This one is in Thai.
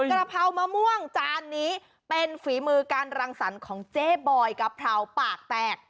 กระเพรามะม่วงจานนี้เป็นฝีมือการรังสรรค์ของเจ๊บอยกะเพราปากแตก